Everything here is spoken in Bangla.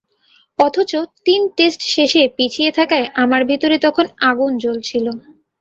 অথচ তিন টেস্ট শেষে পিছিয়ে থাকায় আমার ভেতরে তখন আগুন জ্বলছিল।